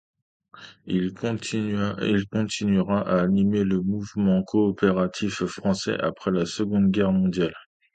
Il continuera à animer le mouvement coopératif français après la Seconde Guerre mondiale.